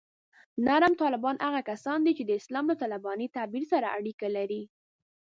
نرم طالبان هغه کسان دي چې د اسلام له طالباني تعبیر سره اړیکې لري